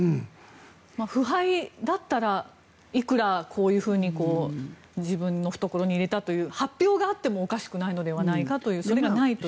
腐敗だったらいくらこういうふうに自分の懐に入れたという発表があってもおかしくないのではないかというそれがないという。